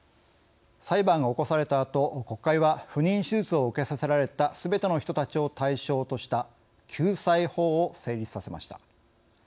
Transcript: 裁判が起こされたあと、国会は不妊手術を受けさせられたすべての人たちを対象とした救済法を成立させました。